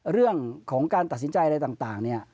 เรื่องของการตัดสินใจอะไรต่างเนี่ย